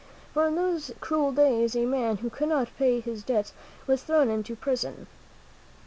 For in those cruel days, a man who could not pay his debts was thrown into prison.